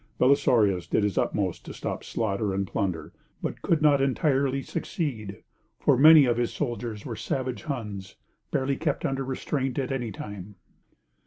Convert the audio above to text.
Belisarius did his utmost to stop slaughter and plunder, but could not entirely succeed, for many of his soldiers were savage Huns, barely kept under restraint at any time.